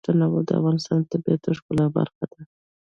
تنوع د افغانستان د طبیعت د ښکلا برخه ده.